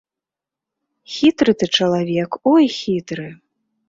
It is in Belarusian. Хітры ты чалавек, ой хітры!